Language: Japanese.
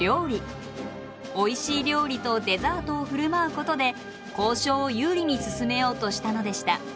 おいしい料理とデザートをふるまうことで交渉を有利に進めようとしたのでした。